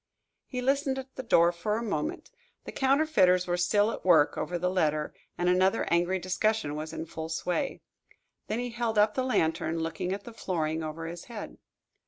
He listened at the door for a moment. The counterfeiters were still at work over the letter, and another angry discussion was in full sway. Then he held up the lantern, looking at the flooring over his head.